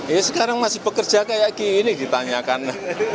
ya sekarang masih bekerja kayak gini ditanyakan